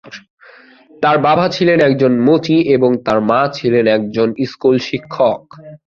তার বাবা ছিলেন একজন মুচি এবং তার মা ছিলেন একজন স্কুল শিক্ষক।